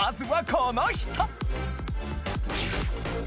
この人！